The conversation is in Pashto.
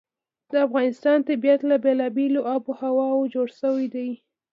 د افغانستان طبیعت له بېلابېلې آب وهوا جوړ شوی دی.